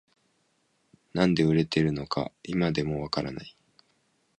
なんで売れてるのか今でもわからない